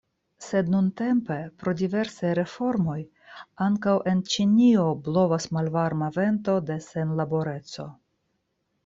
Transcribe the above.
Sed nuntempe pro diversaj reformoj ankaŭ en Ĉinio blovas malvarma vento de senlaboreco.